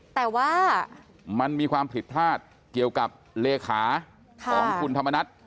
แต่ว่ามันมีความผิดพลาดเกี่ยวกับเลขาของคุณธรรมนัฐ